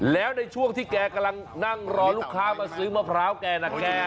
แล้วในช่วงที่แกกำลังนั่งรอลูกค้ามาซื้อมะพร้าวแกนะแก